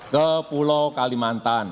ke pulau kalimantan